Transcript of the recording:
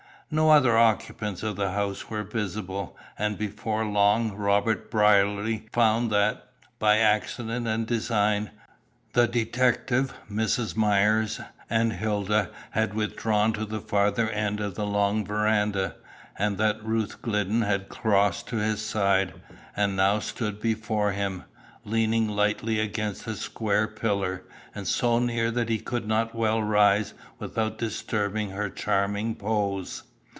No other occupants of the house were visible, and before long Robert Brierly found that, by accident or design, the detective, Mrs. Myers, and Hilda, had withdrawn to the further end of the long veranda, and that Ruth Glidden had crossed to his side, and now stood before him, leaning lightly against a square pillar, and so near that he could not well rise without disturbing her charming pose.